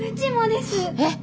えっ？